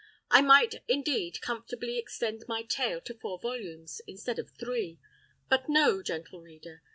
I might, indeed, comfortably extend my tale to four volumes instead of three. But no, gentle reader!